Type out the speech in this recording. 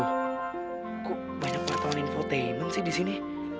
loh kok banyak wartawan infotainment sih disini